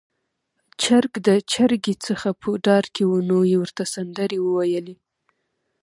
چرګ د چرګې څخه په ډار کې و، نو يې ورته سندرې وويلې